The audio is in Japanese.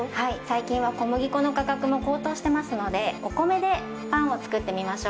最近は小麦粉の価格も高騰してますのでお米でパンを作ってみましょう。